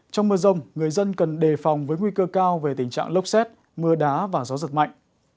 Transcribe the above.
trong mưa rông người dân cần đề phòng với nguy cơ cao về tình trạng lốc xét mưa đá và gió giật mạnh